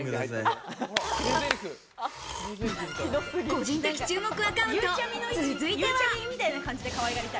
個人的注目アカウント、続いては。